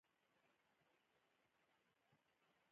مونږ سر ښندو په تا